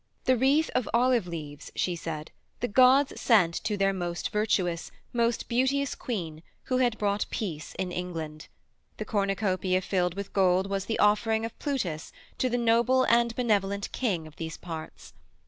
The wreath of olive leaves, she said, the gods sent to their most virtuous, most beauteous Queen, who had brought peace in England; the cornucopia filled with gold was the offering of Plutus to the noble and benevolent King of these parts.